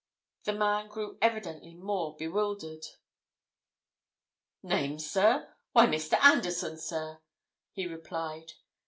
The man grew evidently more bewildered. "Name, sir. Why, Mr. Anderson, sir!" he replied.